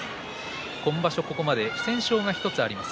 今場所、ここまで不戦勝が１つあります。